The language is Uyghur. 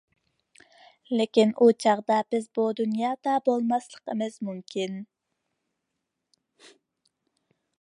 لېكىن ئۇ چاغدا بىز بۇ دۇنيادا بولماسلىقىمىز مۇمكىن!